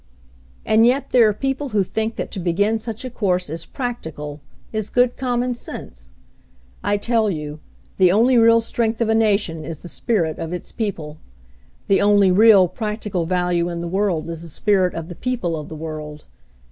"And yet there are people who think that to begin such a course is 'practical/ is good com mon sense! "I tell you, the only real strength of a nation is the spirit of its people. The only real, prac tical value in the world is the spirit of the people of the world.